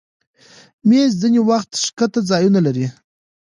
مېز ځینې وخت ښکته ځایونه لري.